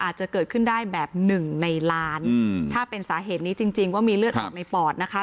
อาจจะเกิดขึ้นได้แบบหนึ่งในล้านถ้าเป็นสาเหตุนี้จริงว่ามีเลือดออกในปอดนะคะ